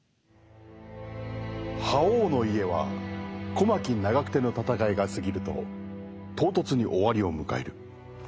「覇王の家」は小牧・長久手の戦いが過ぎると唐突に終わりを迎える。